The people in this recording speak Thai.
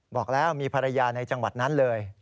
บอกแล้วมีภรรยาในจังหวัดนั้นเลย